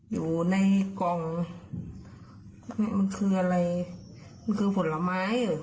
ยังไงต่อล่ะ